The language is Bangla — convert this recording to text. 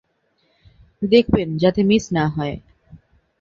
দেখবেন যাতে মিস না হয়।